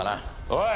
おい！